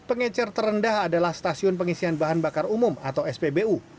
pengecer terendah adalah stasiun pengisian bahan bakar umum atau spbu